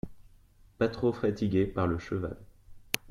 Pas trop fatiguée par le cheval…